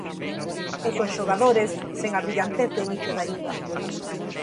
E con xogadores sen a brillantez do inicio de Liga.